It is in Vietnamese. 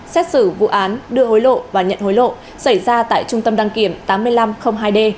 xét xử vụ án đưa hối lộ và nhận hối lộ xảy ra tại trung tâm đăng kiểm tám nghìn năm trăm linh hai d